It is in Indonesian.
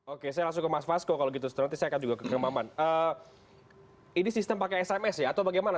oke saya suka mas fasco kalau gitu serta juga kekembangan ini sistem pakai sms ya atau bagaimana